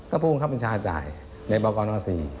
ก็พูดว่าเขาเป็นชาติจ่ายในบน๔